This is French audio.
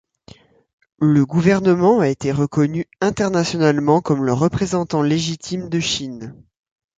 Le gouvernement a été reconnu internationalement comme le représentant légitime de Chine.